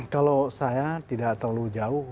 kalau saya tidak terlalu jauh